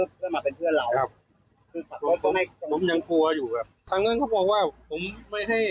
คือฝากว่าผมไม่ผมยังกลัวอยู่ครับทางนั้นเขาบอกว่าผมไม่ให้